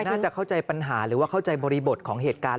น่าจะเข้าใจปัญหาหรือว่าเข้าใจบริบทของเหตุการณ์